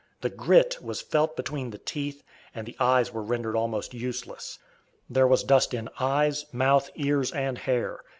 The "grit" was felt between the teeth, and the eyes were rendered almost useless. There was dust in eyes, mouth, ears, and hair.